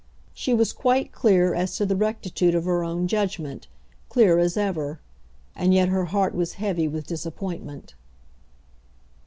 She was quite clear as to the rectitude of her own judgment, clear as ever. And yet her heart was heavy with disappointment.